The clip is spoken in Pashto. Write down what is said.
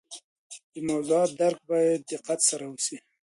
د موضوعات درک باید د دقت سره وسي.